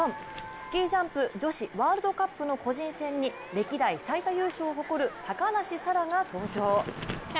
スキージャンプ女子ワールドカップの個人戦に歴代最多優勝を誇る高梨沙羅が登場。